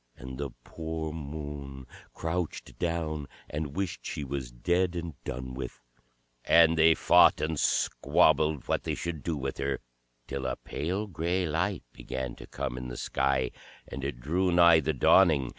And the poor Moon crouched down, and wished she was dead and done with. And they fought and squabbled what they should do with her, till a pale grey light began to come in the sky; and it drew nigh the dawning.